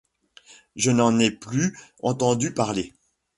Je n’en ai plus entendu parler.